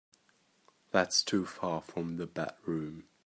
That's too far from the bedroom.